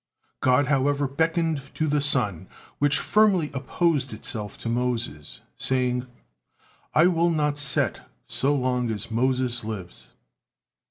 God, however, beckoned to the sun, which firmly opposed itself to Moses, saying, "I will not set, so long as Moses lives."